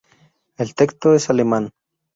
El texto es alemán.